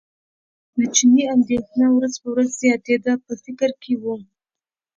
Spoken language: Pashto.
د چیني اندېښنه ورځ په ورځ زیاتېده په فکر کې و.